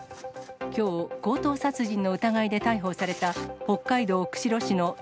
きょう、強盗殺人の疑いで逮捕された北海道釧路市の